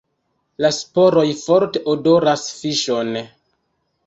La sporoj forte odoras fiŝon.